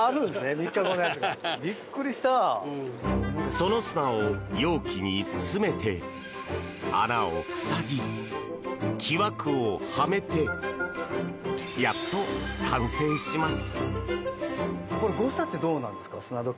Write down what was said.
その砂を容器に詰めて穴を塞ぎ木枠をはめてやっと完成します。